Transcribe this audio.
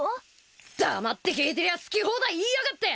黙って聞いてりゃ好き放題言いやがって。